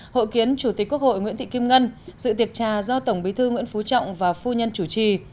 hội kiến chủ tịch quốc hội nguyễn thị kim ngân dự tiệc trà do tổng bí thư nguyễn phú trọng và phu nhân chủ trì